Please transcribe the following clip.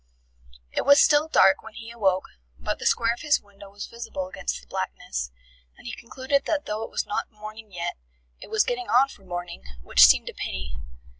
It was still dark when he awoke, but the square of his window was visible against the blackness, and he concluded that though it was not morning yet, it was getting on for morning, which seemed a pity.